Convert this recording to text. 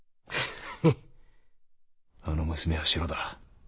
あの娘はシロだ。